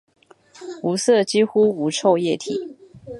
无色几乎无臭液体。